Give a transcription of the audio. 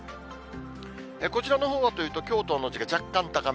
こちらのほうはというと、きょうと同じか若干高め。